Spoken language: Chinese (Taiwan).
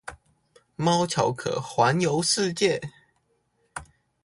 貓巧可環遊世界